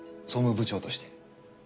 総務部長として。